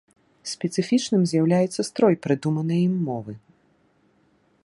Спецыфічным з'яўляецца строй прыдуманай ім мовы.